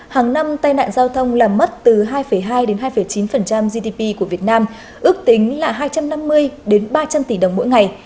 hàng năm tai nạn giao thông làm mất từ hai hai đến hai chín gdp của việt nam ước tính là hai trăm năm mươi ba trăm linh tỷ đồng mỗi ngày